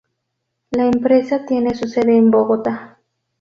La empresa tiene su sede en Bogotá.